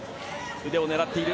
腕を狙っている。